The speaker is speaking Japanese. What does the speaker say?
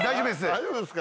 大丈夫ですか？